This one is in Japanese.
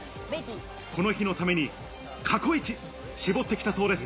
この日のために過去いち絞ってきたそうです。